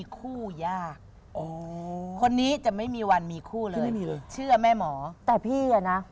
คนนี้จะไม่มีวันมีคู่เลยเสื่อแม่หมอแต่พี่นะ